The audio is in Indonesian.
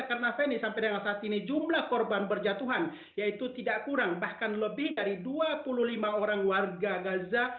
karena feni sampai dengan saat ini jumlah korban berjatuhan yaitu tidak kurang bahkan lebih dari dua puluh lima orang warga gaza